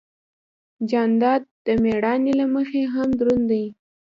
جانداد د مېړانې له مخې هم دروند دی.